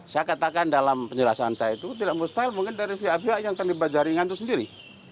saya katakan dalam penjelasan saya itu tidak mustahil mungkin dari pihak pihak yang terlibat jaringan itu sendiri